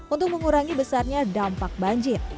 untuk mengurangi besarnya dampak banjir